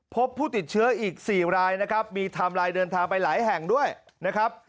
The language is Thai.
พบผู้ติดเชื้ออีก๔รายนะครับมีไทม์ไลน์เดินทางไปหลายแห่งด้วยนะครับ